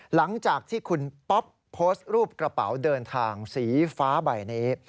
หลังจากที่คุณป๊อปโพสต์รูปกระเป๋าเดินทางสีฟ้าใบนี้